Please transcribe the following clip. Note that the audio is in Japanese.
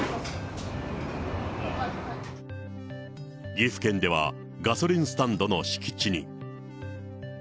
岐阜県ではガソリンスタンドの敷地に。